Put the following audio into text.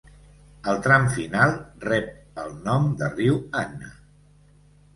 Al tram final rep el nom de riu Anna.